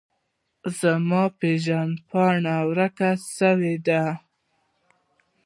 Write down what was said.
زما پیژند پاڼه ورکه سویده